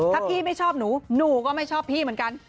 ถ้าพี่ไม่ชอบหนูหนูก็ไม่ชอบพี่เหมือนกัน